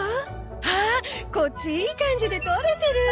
あっこっちいい感じで撮れてる！